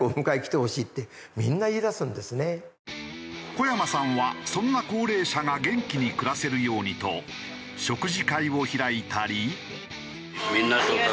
小山さんはそんな高齢者が元気に暮らせるようにと食事会を開いたり。